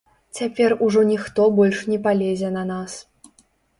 Цяпер ужо ніхто больш не палезе на нас.